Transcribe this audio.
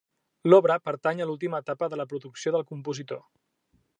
L'obra pertany a l'última etapa de la producció del compositor.